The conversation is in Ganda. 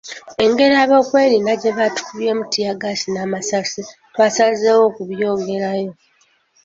Engeri ab'ebyokwerinda gye batukubye ttiyaggaasi n'amasasi twasazewo okubyongerayo.